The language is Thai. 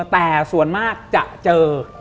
แต่ส่วนมากจะเจอ